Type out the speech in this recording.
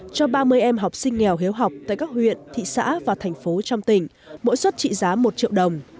cho ba mươi em học sinh nghèo hiếu học tại các huyện thị xã và thành phố trong tỉnh mỗi suất trị giá một triệu đồng